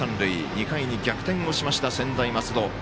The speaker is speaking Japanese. ２回に逆転をしました、専大松戸。